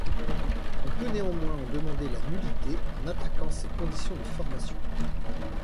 On peut néanmoins en demander la nullité en attaquant ses conditions de formation.